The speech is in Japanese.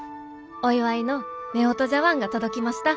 お祝いの夫婦茶わんが届きました。